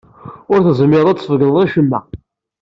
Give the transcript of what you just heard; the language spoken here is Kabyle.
Ur tezmireḍ ad sbeggneḍ acemma.